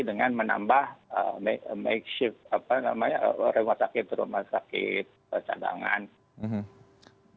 dengan menambah makeship rumah sakit rumah sakit cadangan